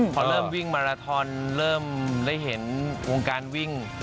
พอเริ่มวิ่งมาราทอนเริ่มได้เห็นวงการวิ่ง